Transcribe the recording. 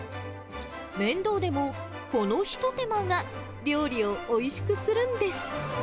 面倒でも、この一手間が料理をおいしくするんです。